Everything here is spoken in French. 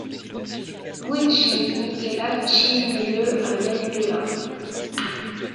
Luigi Michelacci naît le à Meldola.